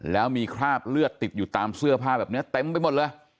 แล้วมีคราบเลือดติดอยู่ตามเสื้อผ้าแบบนี้เต็มไปหมดเลย